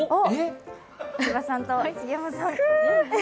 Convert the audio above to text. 千葉さんと杉山さん。